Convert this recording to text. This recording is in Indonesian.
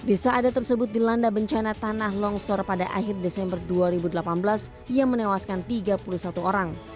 desa adat tersebut dilanda bencana tanah longsor pada akhir desember dua ribu delapan belas yang menewaskan tiga puluh satu orang